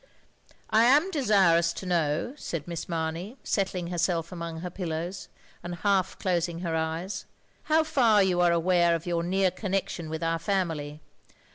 "I am desirous to know," said Miss Mamey, settling herself among her pillows, and half closing her eyes, " how far you are aware of your near connection with our family.